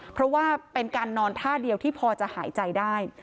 เพราะว่าเป็นการนอนท่าเดียวที่พอจะหายใจได้